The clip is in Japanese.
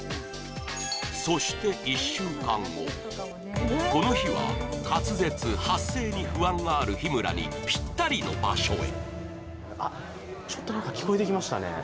そして１週間後この日は滑舌、発声に不安のある日村にぴったりの場所へ。